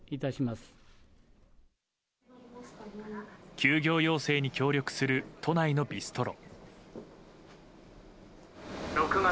休業要請に協力する都内のビストロ。